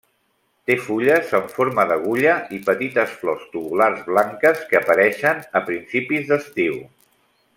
Té fulles en forma d'agulla i petites flors tubulars blanques que apareixen a principis d'estiu.